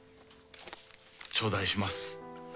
ちょうだいします。